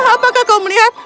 apakah kau melihat